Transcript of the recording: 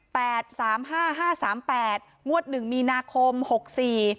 สามห้าห้าสามแปดงวดหนึ่งมีนาคมหกสี่